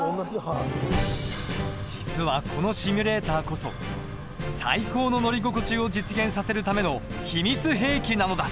実はこのシミュレーターこそ最高の乗り心地を実現させるための秘密兵器なのだ。